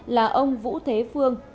là ông vũ thế phương